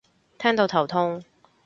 聽到頭痛